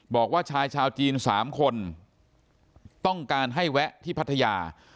บอกว่าชายชาวจีน๓คนต้องการให้แวะที่พัทยา